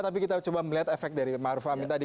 tapi kita coba melihat efek dari maruf amin tadi